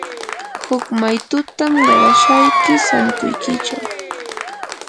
huk maytutam qarashayki santuykichaw.